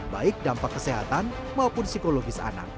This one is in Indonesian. baik dampak kesehatan maupun psikologis anak